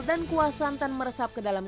dan kuah santan meresap ke dalam